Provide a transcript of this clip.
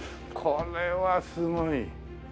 これはすごい。